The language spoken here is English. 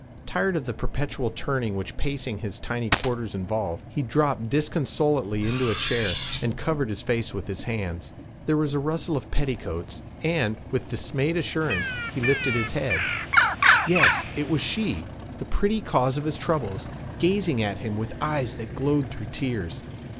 Tired of the perpetual turning which pacing his tiny quarters involved, he dropped disconsolately into a chair, and covered his face with his hands. There was a rustle of petticoats, and, with dismayed assurance, he lifted his head. Yes, it was she, the pretty cause of his troubles, gazing at him with eyes that glowed through tears.